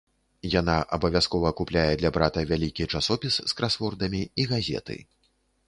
Яна абавязкова купляе для брата вялікі часопіс з красвордамі і газеты.